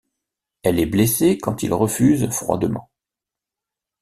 Elle est blessée quand il refuse froidement.